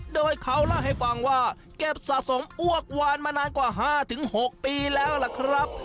โดยเขาเล่าให้ฟังว่าเก็บสะสมอ้วกวานมานานกว่า๕๖ปีแล้วล่ะครับ